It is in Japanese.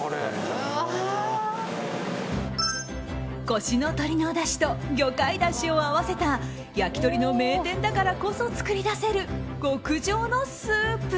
越の鶏のだしと魚介だしを合わせた焼き鳥の名店だからこそ作り出せる極上のスープ。